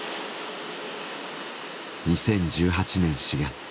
２０１８年４月。